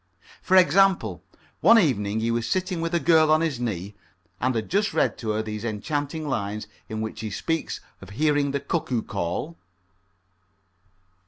For example, one evening he was sitting with a girl on his knee, and had just read to her these enchanting lines in which he speaks of hearing the cuckoo call.